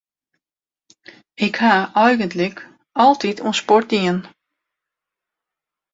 Ik ha eigentlik altyd oan sport dien.